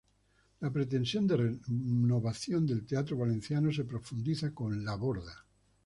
La pretensión de renovación del teatro valenciano se profundiza con "La Borda.